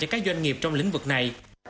cho các doanh nghiệp trong lĩnh vực này